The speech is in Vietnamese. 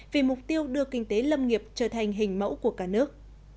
vì mục tiêu đưa kinh tế lâm nghiệp trở thành hình mẫu của cả nước